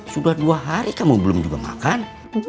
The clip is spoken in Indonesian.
sudah dua hari kamu belum juga makan